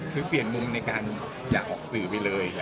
คือเปลี่ยนมุมในการอยากออกสื่อไปเลย